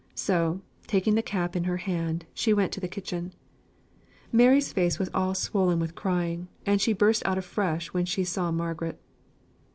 So, taking the cap in her hand, she went to the kitchen. Mary's face was all swollen with crying, and she burst out afresh when she saw Margaret.